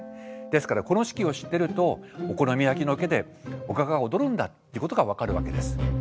ですからこの式を知ってるとお好み焼きの上でおかかが踊るんだっていうことが分かるわけです。